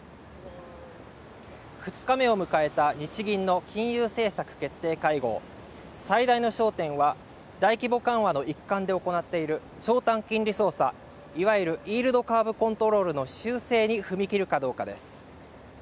２日目を迎えた日銀の金融政策決定会合最大の焦点は大規模緩和の一環で行っている長短金利操作いわゆるイールドカーブ・コントロールの修正に踏み切るかどうかです